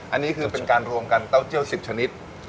อันนี้คือเป็นการรวมกันเต้าเจียว๑๐ชนิด